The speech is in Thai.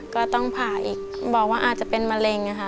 ก็ต้องผ่าอีกบอกว่าอาจจะเป็นมะเร็งค่ะ